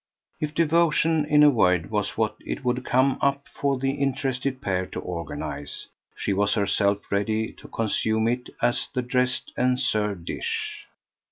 If devotion, in a word, was what it would come up for the interested pair to organise, she was herself ready to consume it as the dressed and served dish.